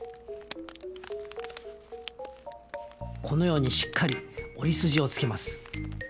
このようにしっかり折り筋をつけます。